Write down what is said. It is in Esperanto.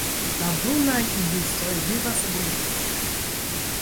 La Brunaj ibisoj vivas grupe.